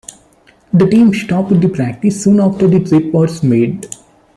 The team stopped the practice soon after the threat was made.